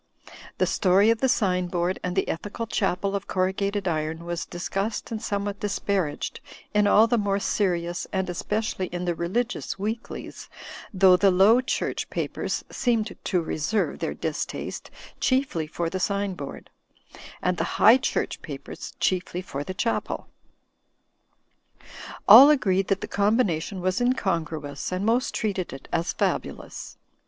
The story of the sign board and the ethical chapel of corrugated iron was discussed and somewhat dis paraged in all the more serious and especially in the religious weeklies, though the Low Church papers seemed to reserve their distaste chiefly for the sign board; and the High Church papers chiefly for the Chapel. All agreed that the combination was incon gruous, and most treated it as fabulous.